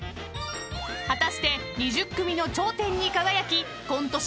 ［果たして２０組の頂点に輝きコント師